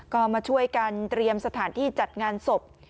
ก็มาช่วยกันเตรียมสถานที่จัดงานศพ